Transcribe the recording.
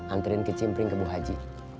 anturin kicimpring ke bu haji